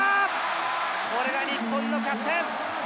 これが日本のキャプテン。